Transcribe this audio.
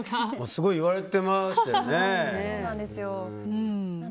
すごい言われていましたよね。